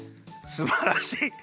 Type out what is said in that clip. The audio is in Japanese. すばらしい。